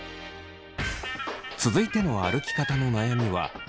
続いての歩き方の悩みは内股。